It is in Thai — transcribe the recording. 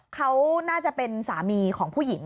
เขาน่าจะเป็นสามีของผู้หญิง